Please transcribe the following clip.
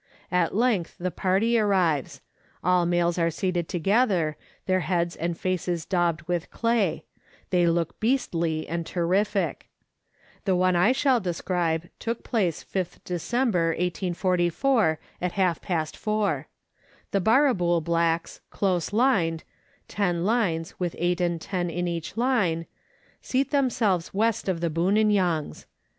At length the party arrives ; all males are seated together, their heads and faces daubed with clay; they look beastly and terrific. The one I shall describe took place 5th December 1844 at half past four. The Barrabool blacks close lined ten lines, with eight and ten in each line, seat themselves W. of the Buninyongs.